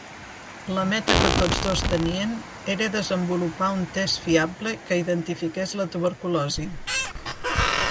La meta que tots dos tenien era desenvolupar un test fiable que identifiqués la tuberculosi.